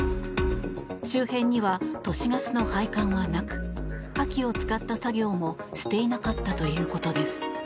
周辺には都市ガスの配管がなく火器を使った作業もしていなかったということです。